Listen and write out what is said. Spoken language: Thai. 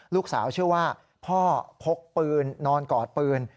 เชื่อว่าพ่อพกปืนนอนกอดปืน